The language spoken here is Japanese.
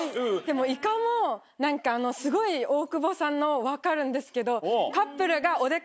いかもすごい大久保さんの分かるんですけど。